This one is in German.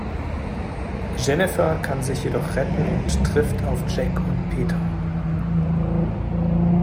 Jennifer kann sich jedoch retten und trifft auf Jack und Peter.